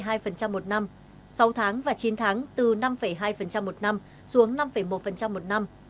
ba tháng giảm từ bốn ba một năm xuống bốn hai một năm sáu tháng và chín tháng từ năm hai một năm xuống năm một một năm